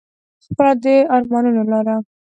خپله د ارمانونو لار